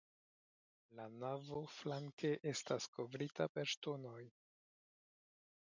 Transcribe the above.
La navo flanke estas kovrita per ŝtonoj.